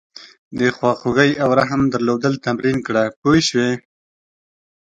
د خواخوږۍ او رحم درلودل تمرین کړه پوه شوې!.